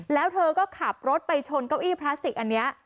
แล้วเธอก็ขับรถไปชนเก้าอี้พลาสติกอันนี้